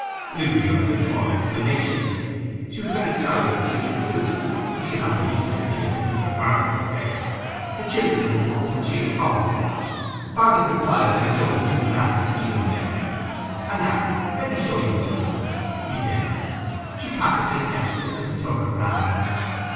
Lucy uttered a small exclamation: she was very sorry that she had intruded; she had not the least idea that Mr. Barnet was there: the children had come up, and she had followed. Barnet replied that he was only too glad to see them there. 'And now, let me show you the rooms,' he said. She passively assented, and he took her round.